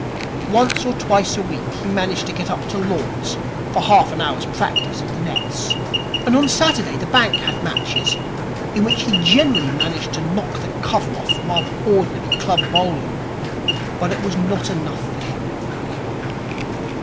Once or twice a week he managed to get up to Lord's for half an hour's practice at the nets; and on Saturdays the bank had matches, in which he generally managed to knock the cover off rather ordinary club bowling. But it was not enough for him.